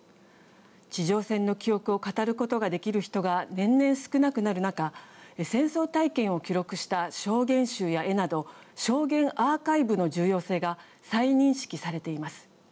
地上戦の記憶を語ることができる人が年々少なくなる中戦争体験を記録した証言集や絵など証言アーカイブの重要性が再認識されています。